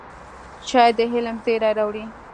چای د علم زېری راوړي